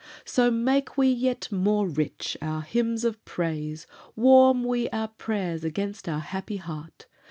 "So make we yet more rich our hymns of praise, Warm we our prayers against our happy heart.